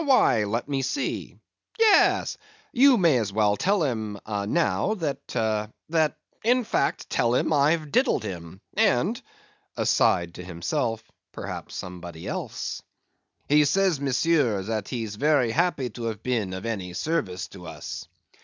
"Why, let me see; yes, you may as well tell him now that—that—in fact, tell him I've diddled him, and (aside to himself) perhaps somebody else." "He says, Monsieur, that he's very happy to have been of any service to us."